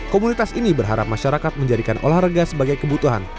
komunitas ini berharap masyarakat menjadikan olahraga sebagai kebutuhan